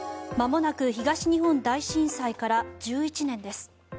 まもなく東日本大震災から１１年です。